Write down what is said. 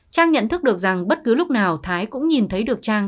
trang nhận thức được rằng bất cứ lúc nào thái cũng nhìn thấy được trang